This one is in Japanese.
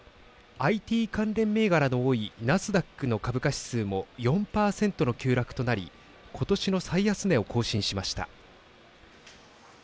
ＩＴ関連銘柄の多いナスダックの株価指数も４％の急落となりことしの最安値を更新しました。